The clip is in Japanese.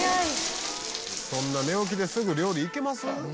「そんな寝起きですぐ料理いけます？」